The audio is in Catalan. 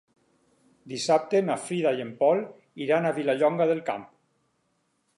Dissabte na Frida i en Pol iran a Vilallonga del Camp.